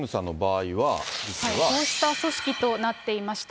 こうした組織となっていました。